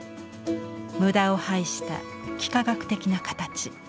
無駄を排した幾何学的な形。